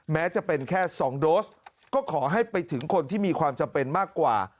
แม้จะเป็นแค่๒โดสก็ขอให้ไปถึงคนที่มีความจำเป็นมากกว่า